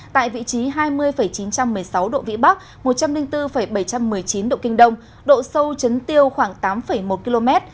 tại vị trí hai mươi chín trăm một mươi sáu độ vĩ bắc một trăm linh bốn bảy trăm một mươi chín độ kinh đông độ sâu chấn tiêu khoảng tám một km